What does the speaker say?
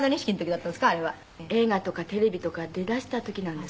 映画とかテレビとかに出だした時なんです。